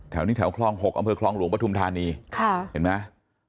แถวนี้แถวคลอง๖อำเภอคลองหลวงปฐุมธานีค่ะเห็นไหม